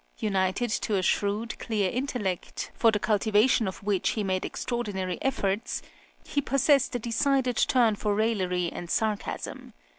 United to a shrewd, clear intellect, for the cultivation of which he made extraordinary efforts, he possessed a decided turn for raillery and sarcasm.